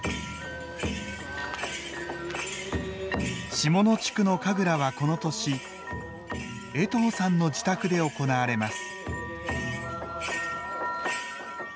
下野地区の神楽はこの年江藤さんの自宅で行われます。